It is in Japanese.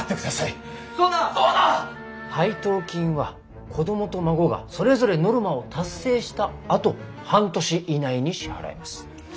配当金は子供と孫がそれぞれノルマを達成したあと半年以内に支払います。